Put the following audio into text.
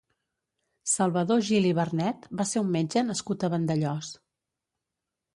Salvador Gil i Vernet va ser un metge nascut a Vandellòs.